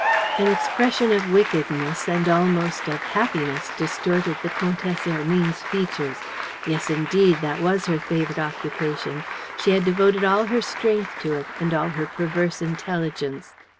An expression of wickedness and almost of happiness distorted the Comtesse Hermine's features. Yes, indeed, that was her favorite occupation. She had devoted all her strength to it and all her perverse intelligence.